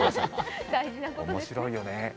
面白いよね。